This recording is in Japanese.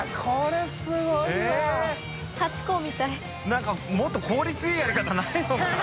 何かもっと効率いいやり方ないのかな？